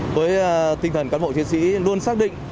với tinh thần cán bộ chiến sĩ luôn xác định